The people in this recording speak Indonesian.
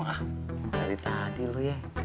dari tadi lu ya